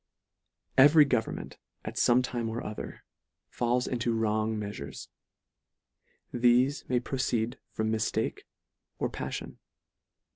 Every government, at fome time or other, falls into wrong meafures ; thefe may pro ceed from miftake or pamon.